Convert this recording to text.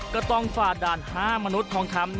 ก็ต้องฝ่าด่าน๕มนุษย์ทองคำ